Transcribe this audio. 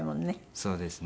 そうですね。